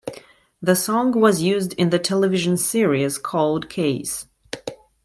The song was used in the television series "Cold Case".